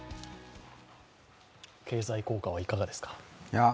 経済効果はいかがですか？